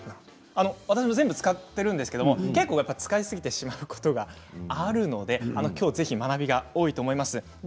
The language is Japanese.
私も全部使ってるんですけど、使いすぎてしまうことがあるので、きょうはぜひ学びが多いと思います。